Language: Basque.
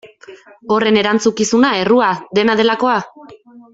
Horren erantzukizuna, errua, dena delakoa?